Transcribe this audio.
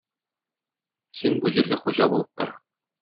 Син, бу җиргә хуҗа булып тор.